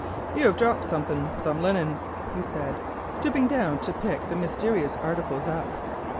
"You have dropped some—some linen," he said, stooping down to pick the mysterious articles up.